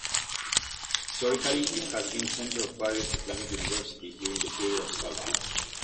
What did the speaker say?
Historically it has been centre of various Islamic Universities during the period of Sultans.